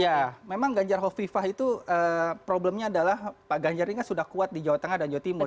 ya memang ganjar hovifah itu problemnya adalah pak ganjar ini kan sudah kuat di jawa tengah dan jawa timur